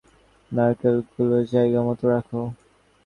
নারকেলগুলো জায়গামতো রাখো।